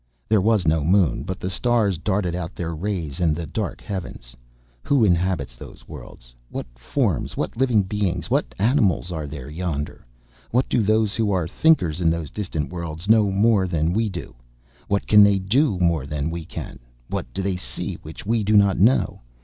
There was no moon, but the stars darted out their rays in the dark heavens. Who inhabits those worlds? What forms, what living beings, what animals are there yonder? What do those who are thinkers in those distant worlds know more than we do? What can they do more than we can? What do they see which we do not know?